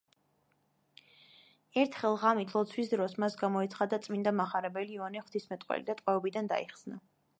ერთხელ, ღამით, ლოცვის დროს, მას გამოეცხადა წმინდა მახარებელი იოანე ღვთისმეტყველი და ტყვეობიდან დაიხსნა.